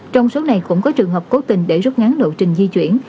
trong số này cũng có trường hợp cố tình để rút ngắn lộ trình di chuyển